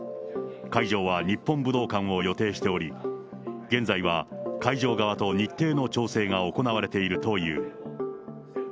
会場は日本武道館を予定しており、現在は会場側と日程の調整が行われているという。